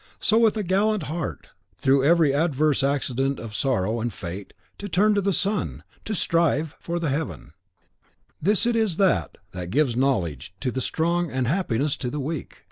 So with a gallant heart, through every adverse accident of sorrow and of fate to turn to the sun, to strive for the heaven; this it is that gives knowledge to the strong and happiness to the weak.